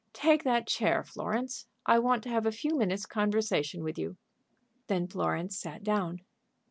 "Take that chair, Florence. I want to have a few minutes' conversation with you." Then Florence sat down.